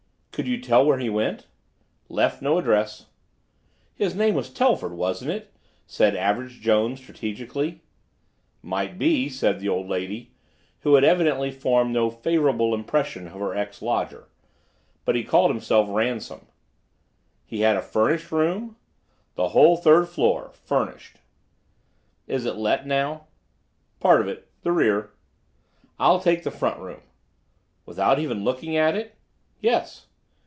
"Could you tell where he went?" "Left no address." "His name was Telford, wasn't it?" said Average Jones strategically. "Might be," said the old lady, who had evidently formed no favorable impression of her ex lodger. "But he called himself Ransom." "He had a furnished room?" "The whole third floor, furnished." "Is it let now?" "Part of it. The rear." "I'll take the front room." "Without even looking at it?" "Yes."